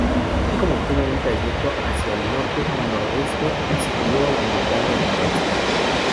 Kiko mantuvo un trayecto hacia el norte-noroeste y siguió aumentando en intensidad.